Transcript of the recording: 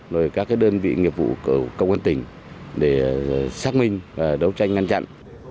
rồi các cái đơn vị nghiệp vụ của công an tỉnh để xác minh đấu tranh ngăn chặn